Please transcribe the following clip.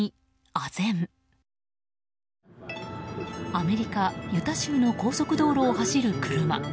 アメリカ・ユタ州の高速道路を走る車。